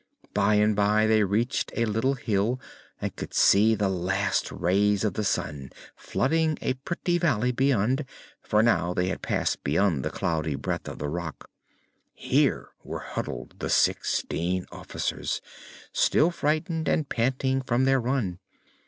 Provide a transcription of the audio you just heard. By and by they reached a little hill and could see the last rays of the sun flooding a pretty valley beyond, for now they had passed beyond the cloudy breath of the Rak. Here were huddled the sixteen officers, still frightened and panting from their run.